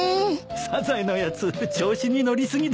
サザエのやつ調子に乗りすぎだよ。